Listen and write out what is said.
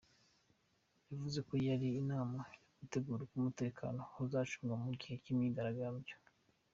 Yavuze ko yari inama yo gutegura uko umutekano uzacungwa mu gihe cy'iyo myigaragambyo.